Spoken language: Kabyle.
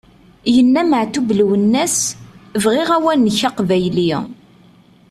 Yenna Meɛtub Lwennas: "bɣiɣ awanek aqbayli!"